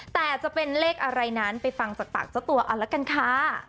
แต่จะเป็นเลขอะไรนั้นไปฟังจากปากเจ้าตัวเอาละกันค่ะ